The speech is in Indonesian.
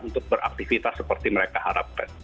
untuk beraktivitas seperti mereka harapkan